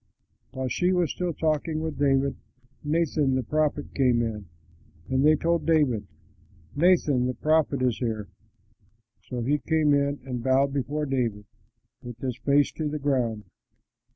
While she was still talking with David, Nathan the prophet came in. And they told David, "Nathan the prophet is here." So he came in and bowed before David with his face to the ground.